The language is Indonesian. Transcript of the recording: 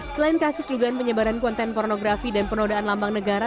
selain kasus dugaan penyebaran konten pornografi dan penodaan lambang negara